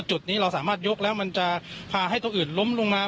จุดนี้เราสามารถยกแล้วมันจะพาให้ตัวอื่นล้มลงมา